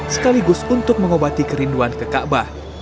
sekaligus untuk mengobati kerinduan ke kaabah